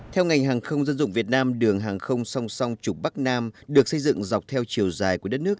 theo ngành hàng không dân dụng việt nam đường hàng không song song trục bắc nam được xây dựng dọc theo chiều dài của đất nước